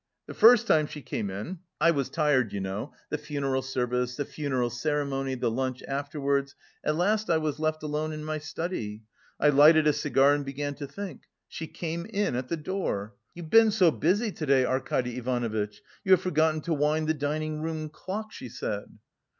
The first time she came in (I was tired you know: the funeral service, the funeral ceremony, the lunch afterwards. At last I was left alone in my study. I lighted a cigar and began to think), she came in at the door. 'You've been so busy to day, Arkady Ivanovitch, you have forgotten to wind the dining room clock,' she said.